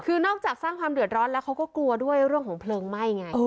คือนอกจากสร้างความเดือดร้อนแล้วเขาก็กลัวด้วยเรื่องของเพลิงไหม้ไง